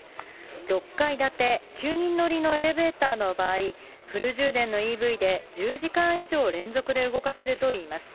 ６階建て９人乗りのエレベーターの場合、フル充電のＥＶで１０時間以上、連続で動かせるといいます。